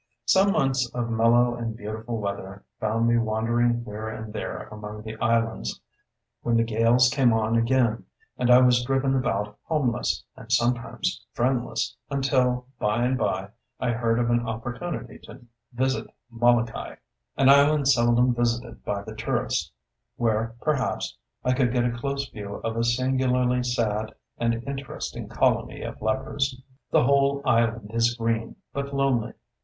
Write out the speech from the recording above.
Some months of mellow and beautiful weather found me wandering here and there among the islands, when the gales came on again, and I was driven about homeless, and sometimes friendless, until, by and by, I heard of an opportunity to visit Molokai, an island seldom visited by the tourist, where, perhaps, I could get a close view of a singularly sad and interesting colony of lepers. The whole island is green, but lonely.